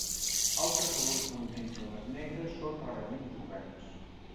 Altres segons moviments de les negres són rarament jugats.